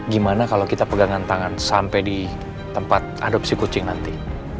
gimana kalau kita pegangan tangan sampai di tempat adopsi kucing nanti